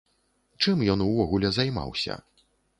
Чым ён увогуле займаўся?